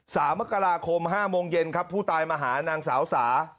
สามมกราคมห้าโมงเย็นครับผู้ตายมาหานางสาวสา